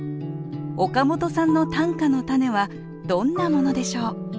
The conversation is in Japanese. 岡本さんの短歌のたねはどんなものでしょう？